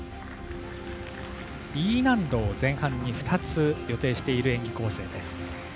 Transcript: Ｅ難度を前半に２つ予定している演技構成です。